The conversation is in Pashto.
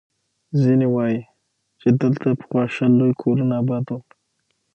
ځيني وایي، چې دلته پخوا شل لوی کورونه اباد ول.